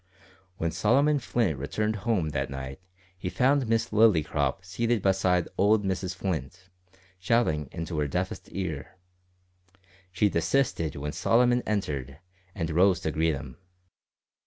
When Solomon Flint returned home that night he found Miss Lillycrop seated beside old Mrs Flint, shouting into her deafest ear. She desisted when Solomon entered, and rose to greet him.